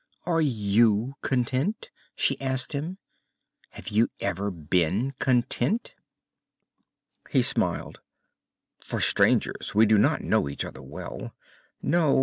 "Are you content?" she asked him. "Have you ever been content?" He smiled. "For strangers, we do know each other well. No.